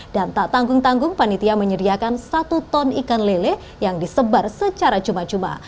dan tak tanggung tanggung panitia menyediakan satu ton ikan lele yang disebar secara cuma cuma